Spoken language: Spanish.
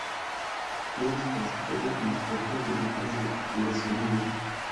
Todos los pasajeros y los cuatro integrantes de la tripulación murieron.